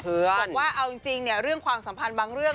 บอกว่าเอาจริงเรื่องความสัมพันธ์บางเรื่อง